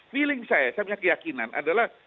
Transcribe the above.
feeling saya saya punya keyakinan adalah